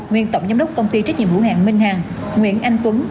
nguyên tổng giám đốc công ty trách nhiệm hữu hạng minh hàng nguyễn anh tuấn